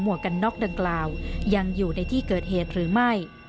วกกันน็อกดังกล่าวยังอยู่ในที่เกิดเหตุหรือไม่